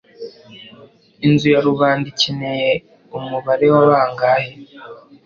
Inzu ya rubanda ikeneye umubare wa Bangahe